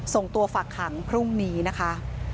ส่งตัวฝากขังพรุ่งนี้นะคะ